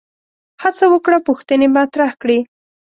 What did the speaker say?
هڅه وکړه پوښتنې مطرح کړي